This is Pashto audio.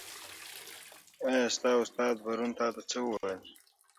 ایا ستا استاد پرون تا ته څه وویل؟